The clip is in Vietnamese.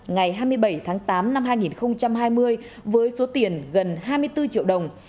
ngày hai mươi bảy tháng tám năm hai nghìn hai mươi với số tiền gần hai mươi bốn triệu đồng